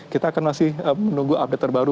kita akan masih menunggu update terbaru